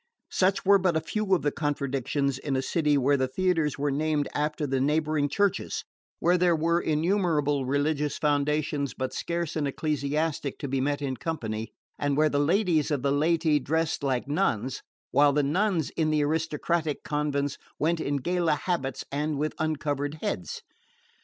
Such were but a few of the contradictions in a city where the theatres were named after the neighbouring churches, where there were innumerable religious foundations but scarce an ecclesiastic to be met in company, and where the ladies of the laity dressed like nuns, while the nuns in the aristocratic convents went in gala habits and with uncovered heads.